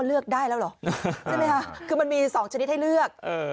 เลือกได้แล้วเหรอใช่ไหมคะคือมันมีสองชนิดให้เลือก